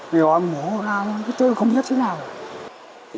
nhiều hôm mổ ra tôi không biết thế nào